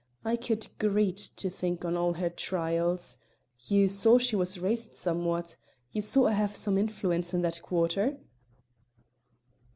I could greet to think on all her trials. You saw she was raised somewhat; you saw I have some influence in that quarter?"